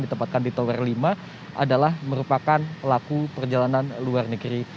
ditempatkan di tower lima adalah merupakan pelaku perjalanan luar negeri